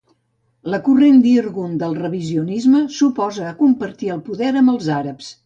La corrent del Irgun del revisionisme s'oposava a compartir el poder amb els àrabs.